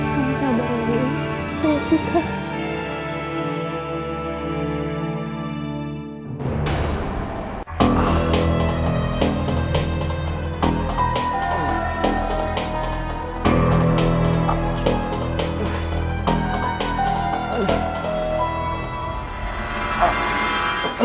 kamu sabar dulu sinta